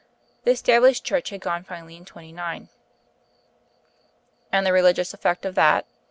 The Established Church had gone finally in '29." "And the religious effect of that?"